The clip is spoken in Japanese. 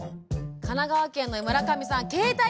神奈川県の村上さん